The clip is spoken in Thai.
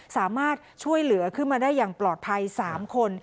สามารถช่วยเหลือขึ้นมาได้อย่างปลอดภัย๓คน